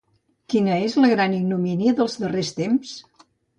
Quina és ‘la gran ignomínia’ dels darrers temps?